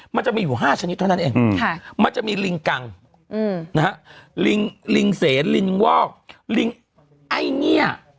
มันจะมีอยู่๕ชนิดเท่านั้นเองมันจะมีลิงกังลิงเสนลิงวอกลิงไอ้เงี่ย